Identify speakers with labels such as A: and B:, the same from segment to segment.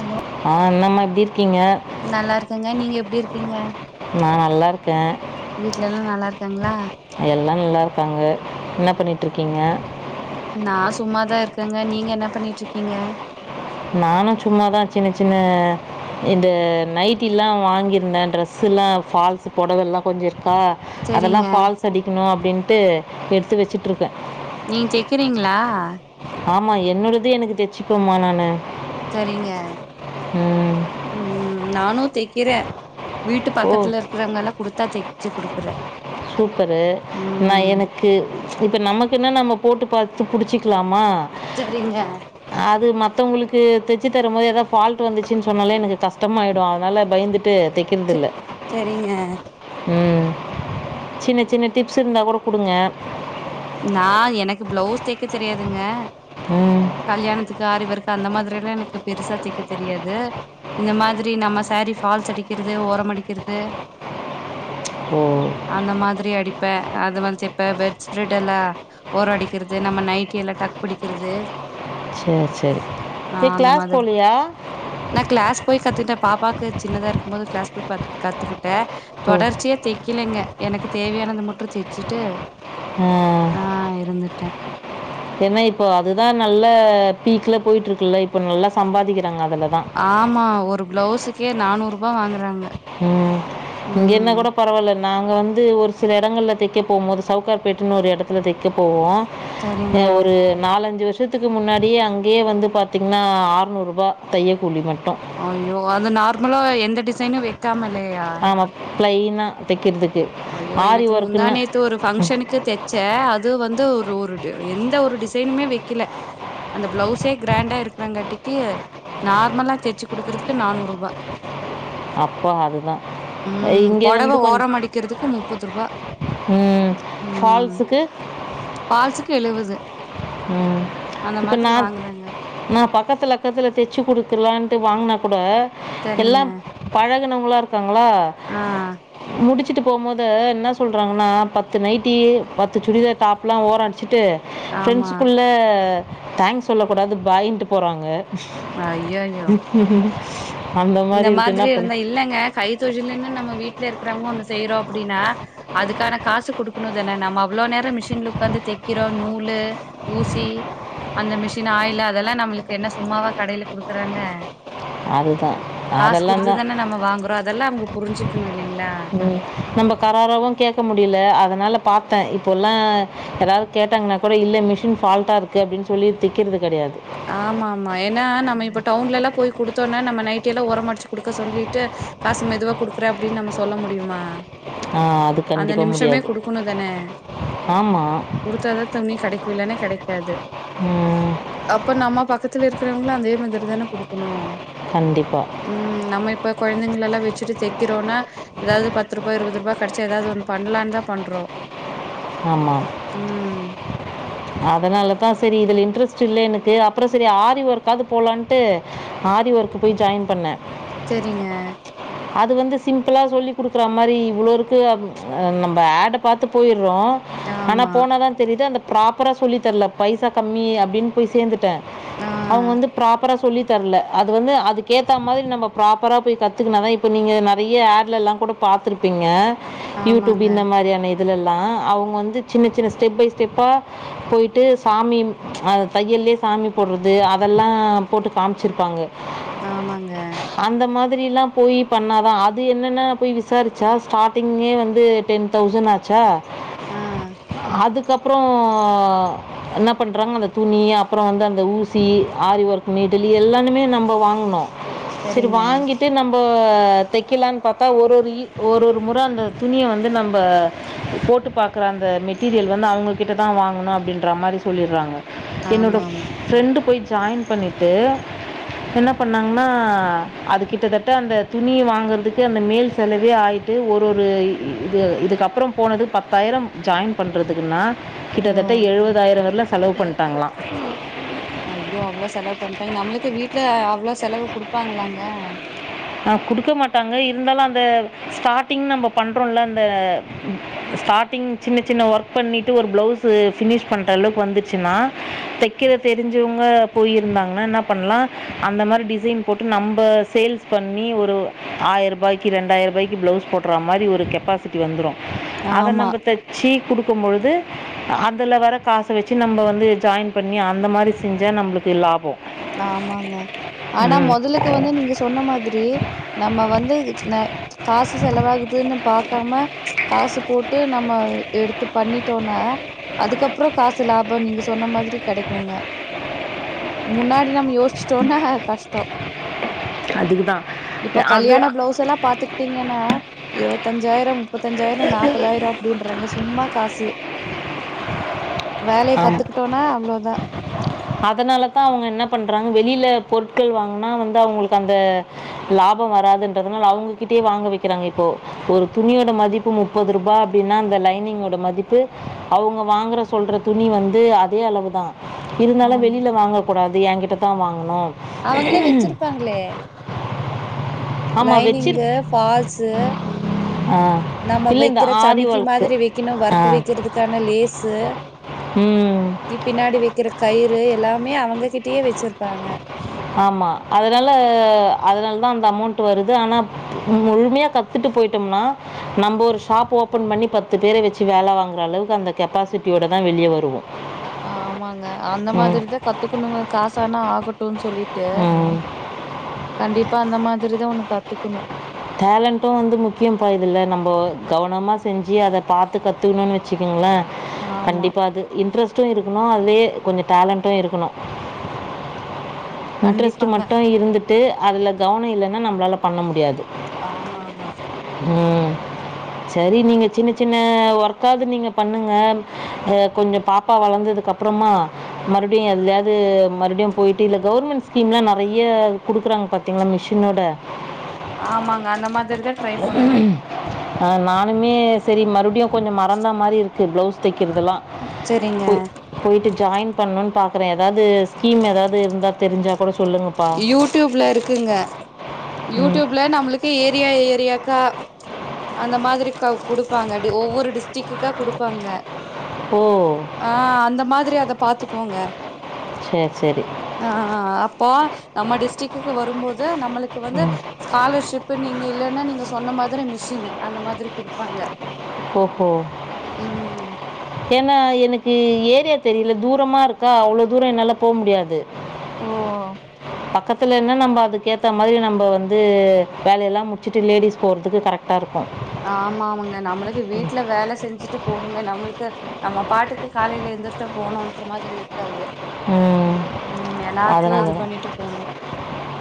A: Hello
B: ஆஹ் என்மா
A: நல்லா இருக்கங்க நீங்க எப்படி இருக்கீங்க
B: எல்லா இருக்கேன்
A: வீட்டு்ல எல்லாம் நல்லா இருக்காங்களா
B: எல்லாம் நல்லா இருக்காங்க என்ன பண்ணிட்டு இருக்கீங்க
A: நான் சும்மாதான் இருக்கேங்க நீங்க என்ன பண்ணிட்டு இருக்கீங்க
B: நானும் சும்மாதான் சின்ன சின்ன இந்த நைட்டி எல்லாம் வாங்கிருந்தேன் ட்ரெஸ் எல்லாம் பால்ஸ் புடவெல்லாம் கொஞ்சம்
A: செரிங்க
B: அதெல்லாம் பால்ஸ் அடிக்கணும் அப்படின்ட்டு எடுத்து வச்சுட்டு இருக்கேன்
A: நீங்க தக்கிறீங்களா
B: ஆமாம் என்னோடத எனக்கு தச்சுப்பேமா நானு
A: சரிங்க
B: உம்
A: நானும் தைக்கிறேன் வீட்டு
B: ஓ
A: பக்கத்துல இருக்கறங்கல்லாம் குடுத்து தச்சு கொடுக்குற
B: சூப்பரு நான் எனக்கு இப்ப நமக்கு என்ன நம்ம போட்டு பாத்து புடிச்ச கலாமா
A: செரிங்க
B: அது மத்தவங்களுக்கு தைச்சு தரும் போது ஏதாவது பால்ட் வந்துச்சுன்னு சொன்னாலே எனக்கு கஷ்டமாயிடும் அதனால பயந்துட்டு
A: செ
B: தைக்கிறதில்லை
A: செரிங்க
B: ம் சின்ன சின்ன டிப்ஸ் இருந்தா கூட கொடுங்க
A: நான் எனக்கு பிளவுஸ் தைக்க தெரியாதுங்க
B: ம்
A: கல்யாணத்துக்கு ஆறிஒர்க்கு அந்த மாதிரி எனக்கு பெருசா தைய்க்க தெரியாது இந்த மாதிரி நம்ம சாரி பால்ஸ் அடிக்கிறது ஓரம் அடிக்கிறது
B: ஓ
A: அந்த மாதிரி அடி இப்ப அது மாதிரி செட்டா பெட்ஸ் பட் எல்லாம் ஓர் அடிக்கிறது நம்ம நைட எல்லாம் டக் பிடிக்கிறது
B: சரி சரி
A: ஆ
B: நீ
A: அந்த
B: கிளாஸ்
A: மாதிரி
B: போலியா
A: இந்த பாப்பாவுக்கு சின்னதாக இருக்கும்போது கிளஸ் போய் கத்துக்கிட்டு ட
B: ஓ
A: தொடர்ச்சியா தைக்கிலங்க எனக்கு தேவையான அந்த முற்று தச்சுட்டு
B: ஹாம்
A: ஆஹ் இருந்துட்டேன்
B: ஏன்னா இப்போ அதுதான் நல்லா பீக்ல போயிட்டு இருக்குல்ல இப்ப நல்லா சம்பாதிக்கலாம்
A: ஆமா ஒரு பிளவுஸ் கே நானூறுபா வாங்குறாங்க
B: ம் இங்க என்ன
A: ம்
B: கூட பரவாயில்ல நாங்க வந்து ஒரு சில சில இடங்களில் தைக்க போகும் போது சவுக்கார்பேட்டுன்னு ஒரு இடத்துல தைக்க போவோம்
A: சரிங்க
B: ஒரு நாலஞ்சு வருஷம் வருஷத்துக்கு முன்னாடியே அங்கேயே வந்து பார்த்தீங்கன்னா ஆறுநூறுபா தையக்கூலி மட்டும்
A: அய்யோ அது நார்மலா எந்த டிசைனும் கம இல்லையா
B: பிளைனா தைக்கிறதுக்கு
A: ஐயோ
B: ஆரி
A: எனக்கு
B: ஒர்க்குன்னு
A: முந்தானேத்து ஒரு பஃங்க்ஷனுக்கு தைச்சேன் அது வந்து ஒரு ருடு எந்த ஒரு டிசைனுமே வைக்கல அந்த பிளவுஸே கிராண்டா இருக்கிறங்காட்டிக்கு நார்மலா தச்சு குடுக்கறக்கு நானூறு ரூபாய்
B: அப்போ அதுதான் இங்க வந்து கொஞ்ச
A: தைக்குறதுக்கு முப்பது ரூபாய் உம்
B: ஃபால்ஸுக்கு
A: பால்ஸுக்கு எழுவது
B: உம்
A: அந்த
B: இப்ப
A: மாதிரி
B: நான்
A: வாங்குறாங்க
B: நான் பக்கத்துல அக்கத்துல தச்சு குடுக்கலான் போய் வாங்கினா கூட
A: சரிங்க
B: எல்லாம் பழகுனவங்களா சா ல
A: ஆ
B: முடிச்சுட்டு போகும்போது என்ன சொல்கிறாங்கன்னா பத்து நைட்டி பத்து சுடிதார் டாப்பொல்லாம் ஓரம் அடிச்சிட்டு
A: ஆமா
B: தேங்க்ஸ் சொல்ல கூடாது பாயின்ட்டு போறாங்க
A: ஐயையோ
B: உம்ம்
A: இந்த மாதிரி இருந்தா இல்லைங்க கை தொழிலன்னு நம்ம வீட்டுல இருக்கிறவங்க ஒன்னு செய்யறோம் அப்படின்னா அதுக்கான காசு குடுக்கணும் தானே நம்ம அவ்வளவு நேரம் மிஷின்ல உட்காந்து தைக்கிறோம் நூலு ஊசி அந்த மிஷின் ஆயில் அதெல்லாம் நம்மளுக்கு என்ன சும்மாவா கடையில குடுக்குறாங்க
B: அதுதான்
A: காசு
B: அதெல்லாம் தான்
A: குடுத்துதான நம்ம வாங்குறோ அதெல்லா அவங்க புரிஞ்சுக்கணு இல்லைங்களா
B: உ நம்ம கராரவும் கேட்க முடியல அதனால பார்த்தேன் இப்போல்லாம் யாரும் கேட்டாங்கன்னா கூட இல்லை மிஷின் ஃபால்ட்டாக இருக்குது அப்படின்னு சொல்லி திக்கிறது கிடையாது
A: ஆமா ஆமா ஏன்னா நம்ம இப்ப டவுன்ல எல்லாம் போய் கொடுத்தோம்னே நம்ம நைட் எல்லாம் உர அடிச்சு குடுக்க சொல்லிட்டு காசு மெதுவா குடுக்குற அப்படின்னு நம்ம சொல்ல முடியுமா
B: ஆ, அது
A: அந்த
B: கண்டிப்பாக
A: நிமிஷமே
B: முடியாது
A: குடுக்கணும் தானே
B: ஆமாம்
A: குடுத்தாத துணி கிடைக்கு இல்லனா கிடைக்காது ஆமா பக்கத்துல இருக்கிறவங்கள அதே மாதிரி தானே குடுக்கணும்
B: கண்டிப்பா
A: குழந்தைங்க எல்லாம் வச்சுட்டு தைக்கிறோம்னா ஏதாவது பத்து ரூபாய் இருபது ரூபாய் கிடைச்சா ஏதாவது ஒன்னு பண்ணலான்னு தான் பண்றோம்
B: ஆமா அதனாலதான் சரி இதுல இன்ட்ரெஸ்ட் ச்சி இல்ல எனக்கு அப்புறம் சரி ஆரி ஒர்க்காவது போலான்ட்டு ஆரி ஒர்க்க் போய் ஜாயின் பண்ணேன்
A: சரிங்க
B: அது வந்து சிம்பிளா சொல்லி குடுக்குற மாதிரி இவ்வளோருக்கு நம்ம ஆட பார்த்து போயிரு ஆனா
A: ஆமா
B: போனாதான் தெரியுது அந்த ப்ராப்பராக சொல்லித்தரல பைசா கம்மி அப்படின்னு போய் சேந்துட்டேன்
A: ஆ
B: அவங்க வந்து ப்ராப்பரா சொல்லி தரல அது வந்து அதுக்கேத்தா மாதிரி நம்ம ப்ராப்பராக போய் கத்துக்கனா தான் இப்போ நீங்கள் நிறைய ஆட்லா கூட பார்த்துருப்பீங்க யூடியூப்
A: ஆமாங்க
B: இந்த மாதிரியான இதல் அவங்க வந்து சின்ன சின்ன ஸ்டெப் பை ஸ்டெப்பாக போய்டட்டு சாமி தையல்லே சாமி போடுறது அதெல்லாம் போட்டு காமிச்சிருப்பாங்க
A: ஆமாங்க
B: அந்த மாதிரிலாம் போய் பண்ணாதான் அது என்னென்னா போய் விசாரிச்சா ஸ்டார்ட்டிங்கே வந்து டென் தௌசண்ட் ஆச்சா
A: ஆ
B: அதுக்கப்பறம் அப்புறம் நா பண்ணுறாங்க அந்த துணி அப்புறம் வந்து அந்த ஊசி ஆரி ஒர்க் நீடில் எல்லானுமே நம்ம வாங்கினோம் சரி
A: சரிங்க
B: வாங்கிட்டு நம்ம தைக்கலாம்னு பார்த்தா ஒரு ஒரு ஒரு ஒரு முறை அந்த துணியை வந்து நம்ம போட்டு போட்டு பாக்கற அந்த மெட்டீரியல் வந்து அவங்க கிட்ட தான் வாங்கணும் அப்படின்ற மாதிரி சொல்லிடுறாங்க என்னோட
A: ஆமா ஆமா
B: ப்ரெண்டு போய் ஜாயின் பண்ணிட்டு என்ன பண்ணாங்கன்னா அது கிட்டத்தட்ட அந்த துணி வாங்கறதுக்கே அந்த மேல் செலவே ஆகிட்டு ஒரு ஒரு இது இதுக்கப்பபறம் போனது பத்தாயிரம் ஜாயின் பண்ணுறதுக்குன்னா
A: ஓ
B: கிட்டத்தட்ட எழுவதாயிரம் வரல செலவு பண்ணிட்டாங்களாம்
A: ஐயோ அவ்வளவு செலவு பண்ணிட்டாங்க நம்மளுக்கு வீட்டு்ல அவ்வளவு செலவு கொடுப்பாங்களாங்க
B: ஆ குடுக்க மாட்டாங்க இருந்தாலும் அந்த ஸ்டாரிங் நம்ம பண்றோம்ல அந்த ஸ்டாரிங் சின்ன சின்ன ஒர்க் பண்ணிட்டு ஒரு பிளவுஸ் பினிஷ் பண்ற அளவுக்கு வந்துருச்சுனா தைக்க தெரிஞ்சவங்க போயிருந்தாங்கன்னா என்ன பண்ணலாம் அந்த மாரி டிசைன் போட்டு நம்ம சேல்ஸ் இப்ப நீ ஒரு ஆயிரருபாய்க்கு ரெண்டாயிரருபாய்க்கு பிளஸ் போட்டுற மாரி ஒரு கெப்பாசிட்டி வந்துடும் அத
A: ஆமா
B: நம்ம தைச்சு குடு இருக்கும்பொழுது அதில் வர காச வச்சு நம்ம வந்து ஜாயின் பண்ணி அந்த மாதிரி செஞ்சா நம்மளுக்கு லாபோம்
A: ஆமாங்க ஆனா முதலுக்கு வந்து நீங்க சொ சொன்ன மாதிரி நம்ம வந்து காசு செலவாகுதுன்னு பா க்காம காசு போட்டு நம்ம எடுத்து பண்ணிட்டோம்னா அதுக்கப்பறம் காசு லாபம் நீங்க சொன்ன மாதிரி கெடைக்குங்க முன்னாடி நம யோச்சிட்டோம்னா கஷ்டம்
B: அதுக்கு தான்
A: இப்ப
B: அது
A: கல்யாண பிளவுஸ் எல்லாம் பாத்துகிட்டீங்கன்ன இரவத்தஞ்சாயிரம் முப்பத்தஞ்சாயிரம் நாற்பதாயிரம் அப்டின்றங்க சும்மா காசு வேலய
B: ஆமாம்
A: கத்துக்கிட்டோம்னா அவ்ளோதா
B: அதனால தான் அவங்க என்ன பண்றாங்க வெளியில பொருட்கள் வாங்கனா வந்து அவங்களுக்கு அந்த லாபம் வராதுன்றதுனால அவங்ககிட்டயே வாங்க வைக்கிறாங்க இப்போ ஒரு துணியோட மதிப்பு முப்பது ரூபா அப்டின்னா அந்த லைனிங்கோட மதிப்பு அவங்க வாங்க சொல்றத துணி வந்து அதே அளவு தான் இருந்தாலும்
A: ஆமா
B: வெளியில வாங்க கூடாது என்கிட்ட தான் வாங்கனும்
A: அவங்களே வச்சிருப்பாங்களே
B: ஆமாம்
A: லைனிங்
B: வச்சிரு
A: ஃபால்ஸ்
B: ஆ
A: [inaudible] நம்ம
B: இல்லை இந்த
A: வைக்கிற
B: ஆரி
A: சமக்கி
B: ஒர்க்கு
A: மாரி வைக்கணும்
B: ஆ
A: ஒர்க்கு வைக்கிறதுக்கான லேசு
B: ம்
A: கி பின்னாடி வைக்கிற கயிறு எல்லாமே அவங்க கிட்ட ஒட்டிய வச்சிருப்பாங்க
B: ஆமாம அதனால அதனால தான் அந்த அமௌண்ட் வருது ஆனா முழுமையாக கத்துட்டு போயிட்டோம்னா நம்ம ஒரு ஷாப் ஓப்பன் பண்ணி பத்து பேர வச்சு வேல வாங்குற அளவுக்கு அந்த கெப்பாசிட்டியோட தான் வெளிய வருவோம்
A: ஆமாங்க அந்த
B: ம்
A: மாதிரிதான் கத்துக்கணுங்க காசானா ஆகட்டும்னு சொல்லி ய
B: ம்
A: கண்டிப் இப்ப அந்த மாரிதான் ஒன்னு கத்துக்கணும்
B: டேலண்ட்டும் வந்து முக்கியம் பா இதுல நம்ம கவனமாக செஞ்சு அத பாத்து கத்துக்குணோம்னு வச்சுக்கோங்களேன்
A: ஆமா
B: கண்டிப்பா அது இன்ட்ரெஸ்ட் [inaudible] அதுலயே கொஞ்சம் டேலண்ட்டும் இருக்கணும் இன்ட்ரெஸ்ட்
A: கண்டிப்பாங்க
B: மட்டும் இருந்து ட்டு அதுலகவனம் இல்லன்னா நம்மளால் பண்ண முடியாது
A: ஆமா ஆமா
B: ம் செரி நீங்க சின்ன சின்ன ஒர்க்காவது நீங்க பண்ணுங்க கொஞ்சம் பாப்பா வளர்ந்ததுக்கு அப்பறமா மறுபடியும் எதாவது மறுபடியும் போயிட்டு இல்ல கவர்மெண்ட் ஸ்கீம் எலாம் நெறைய குடுக்குறாங்க பாத்தீங்களா மிஷினோட
A: ஆமாங்க அந்த மாரிதான் ட்ரை பண்ணணும்
B: நானுமே செரி மறுபடியும் கொஞ்சம் மறந்தா மாரி இருக்கு ப்ளவுஸ் தைக் இதல்லாம்
A: செரிங்க
B: போயிட்டு ஜாயின் பண்ணணும் பார் எதாவது ஸ்கீம் ஏதாவது இருந்தா தெரிஞ்சா கூட சொல்லுங்கப்பா.
A: யூடியூப்ல இருக்குங்க
B: ம்.
A: யூடியூப்ல நம்மளுக் ஏரியா ஏரியாக்க அ அந்த மாதிரி க குடுப்பாங்க டி ஒவ்வொரு டிஸ்ட்ரிக்குக்கா குடுப்பாங்க
B: ஓ!
A: ஆஹ் அந்த மாதிரி அத பாத்துக்கோங்க
B: சரி, சரி.
A: ஆஹ் அப்போ நம்ம டிஸ்ட்ரிக்குக்கு வரும்போது நம் நம்மளுக்கு வந்து
B: ம்.
A: ஸ்காலர்ஷிப் இப்ப நீங்க இல்லைன்னா நீங்க சொன்ன மாதிரி மிஷினு அந்த மாதிரி குடுப்பாங்க
B: ஓஹோ
A: ம்
B: ஏன்னா எனக்கு ஏரியா தெரியல தூரமா இருக்கா அவ்ளோ தூரோ என்னால போவ முடியாது
A: ஓ ஓ
B: பத்தலன்ன நம்ம அதுக்கு ஏற்ற மாரி நம்ம வந்து வேலயல்லாம் முச்சட்டு லேடிஸ் போறதுக்கு கரெக்டாக இருக்கும்
A: ஆமா ஆமாங்க நம்மளுக்கு வீட்ல வேல செஞ்சுட்டு போணுங்க நம்மளுக்கு நம்ம பாட்டுக்கு காலைல எந்திரிச்சோ போணோன்ற மாதிரி இருக்காது
B: உம்
A: ம் எல்லாத்தையு இது
B: அதனாலதான்
A: பண்ணிட்டு போணு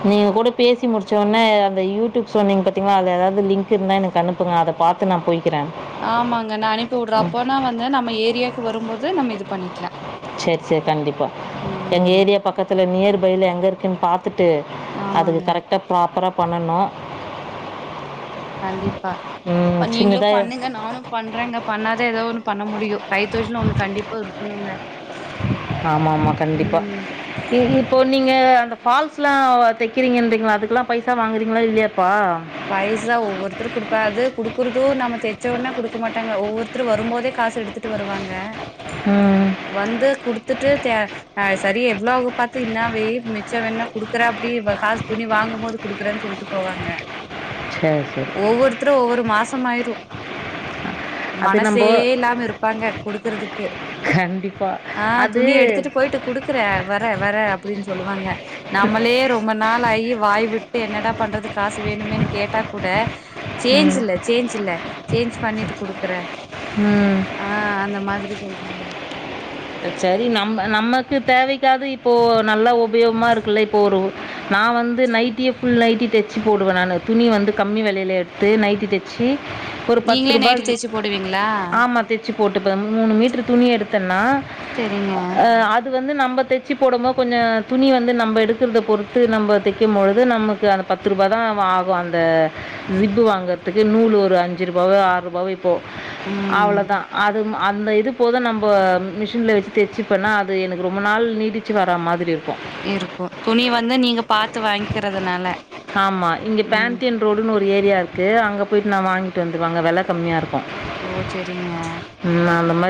B: நீங்க கூட பேசி முடிச்ச உனே அந்த யூடியூப் சொன்னீங்க பாத்திங்களா அதுல ஏதாவது லிங்க் இருந்தா எனக்கு அனுப்புங்க அத பாத்து நான் போய்க்
A: ஆமாங்க நா அனுப்பி விடுறே அப்பனா வந்து நம்ம ஏரியா க்கு வரும்போது நம்ம இது பண்ணிக்லா
B: சரி சரி கண்டிப்பா எங்க ஏரியா பக்கத்துல நியர் பைல எங்க இருக் [inaudible] பாத்துட்டு அதுக்கு
A: ஆமாங்க
B: கரெக்டா ப்ராப்பரா பண்ணணும்
A: கண்டிப்பா
B: ம்,
A: ப்ப நீங்களு
B: சின்னதாக
A: பண்ணுங்க நானும் பண்றேங்க பண்ணாதா ஏதோ ஒண்ணு பண்ண முடியு கைத்தொழில் ஒண்ணு கண்டிப்பா இருக்கணுங்க
B: ஆமா ஆமா கண்டிப்பா
A: ம்
B: நீங் இப்போ நீங்க அந்த ஃபால்ஸ்லா தெக்கறீங்கன்றீங்களே அதுக்கெல்லா பைசா வாங்குறீங்களா இல்லையா
A: பைசா ஒவ்வொருத்தரு குடுப்ப அது குடு க்குறுது நம்ம தெச்சவுட்னே குடுக்க மாட்டாங்க ஒவ்வொருத்தரு வரும்போதே காசு எடுத்துக்கிட்டு வருவாங்க
B: ம்
A: வந்து குடுத் த்துட்டு த ஆஹ் சரி எவ்ளோ ஆகு பாத்து இன்ன வெய் மிச்ச வேண்ணா குடுக்குறே அப்டி காசு துணி வாங்கும்போது குடுக்கறேன்னு சொல்ட்டு போவாங்க
B: சரி சரி
A: ஒவ்வொருத்தரு ஒவ்வொரு மாச [inaudible]
B: அது
A: மனசே
B: நம்போ
A: இல்லாம இருப்பாங்க குடுக்குறதுக்கு
B: கண்டிப்பா
A: ஆஹ்
B: அது
A: துணிய எடுத்துட்டு போயிட்டு குடுக்குறேன் வர வர [unintelligible] இப்புடின்னு சொல்லுவாங்க நம்மளே ரொம்மன் நான் ஐ வாய்விட்டு என்னடா பண்றது காசு வேணுமேனு கேட்டா கூட சேஞ்சு
B: ம்
A: இல்ல சேஞ்சு இல்ல சேஞ்ச் பண்ணிட்டு குடுக்குறே
B: ம்
A: ஆ அந்த மாத் திரி சொல்றாங்க
B: சரி நம்ம நமக்கு தேவைக்காது இப்போது நல்லா உபயோகமாக இருக்குல இப்போ ஒரு நான் வந்து நைட்டையே ஃபுல் நைட்டி தச்சு போடுவேன் நான் துணி வந்து கம்மி விலையில எடுத்து நைட்டி தச்சு ஒரு பத்து
A: நீங்களே
B: ரூபாய்
A: நைட்டு தேச்சு
B: இருக்கு
A: போடுவீங்களா
B: ஆமா தச்சு போட்டுப்பே மூணு மீட்ரு துணி எடுத்தேன்னா
A: செரிங்க
B: அது வந்து நம்ம தைச்சு போடும் போடும்போது கொஞ்சம் துணி வந்து நம் எடுக்கறத பொறுத்து நம்ம தைக்கும்பொழுது நமக்கு அந்த பத்து ரூபாய தான் ஆகும் அந்த ஜிப்பு வாங்கறிறதுக்கு நூல் ஒரு அஞ்சு ரூப ஆறு ரூப போ
A: ம்
B: அவ்ளோதா அது அந்த இது போதும் நம்ப மிசி வச்சு தச்சுப்பென்ன அது எனக்கு ரொம்ப நாள் நீடிச்சு வர மாதிரி இருக்கு
A: இருக்கு துணி வந்து நீங்க பார்த்து வாங்கிறதுனால
B: ஆமாம் இங்கே
A: ம்
B: பேண்டியன் ரோடுன்னு ஏரியா இருக்கு அங்க போயிட்டு நான் வாங்கிட்டு வந்துருவா அங்க வெல கம்மியா இருக்கு
A: ஓ செரிங்க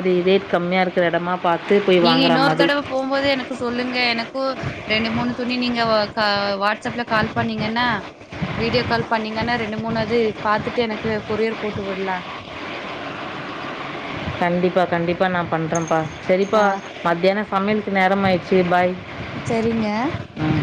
B: இது ரேட் கம்மிய இருகுற இடமா பார்த்து போய்
A: நீ
B: வாங்குற
A: இன்னொரு
B: மாதிரி
A: தடவ போம்போது எனக்கு சொல்லுங்க எனக்கு ரெண்டு மூணு துணி நீங்க வாட்ஸ்அப்ல கால் பண்ணீங்கன்னா வீடியோ கால் பண்ணீங்கன்னா ரெண்டு மூணு இது பாத்துட்டு எனக்கு கொரியர் போட்டு விடலாம்
B: கண்டிப்பா கண்டிப்பா நான் பண்றேப்பா செரிப்பா
A: ஆ
B: மத்தியான சமையல்க் நேரம் ஆயிச்சு பாய்
A: செரிங்க
B: ம்